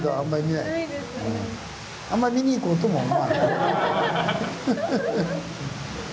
あんまり見に行こうともまあ。